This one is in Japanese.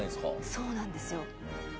そうなんですよ。